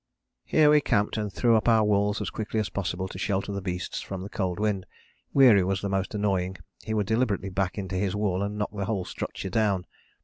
Here we camped and threw up our walls as quickly as possible to shelter the beasts from the cold wind. Weary was the most annoying, he would deliberately back into his wall and knock the whole structure down.